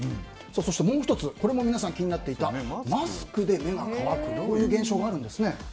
そしてもう１つこれも皆さん、気になっていたマスクで目が乾くという現象があるんですね。